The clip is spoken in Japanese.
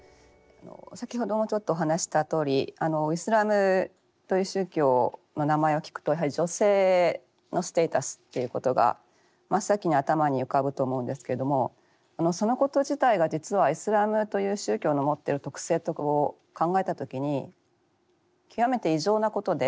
先ほどもちょっとお話したとおりイスラムという宗教の名前を聞くとやはり女性のステータスっていうことが真っ先に頭に浮かぶと思うんですけれどもそのこと自体が実はイスラムという宗教の持ってる特性と考えた時に極めて異常なことで。